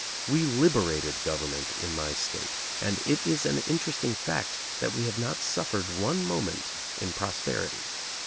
We liberated government in my state, and it is an interesting fact that we have not suffered one moment in prosperity.